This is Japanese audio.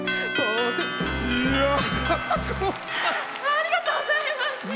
ありがとうございます。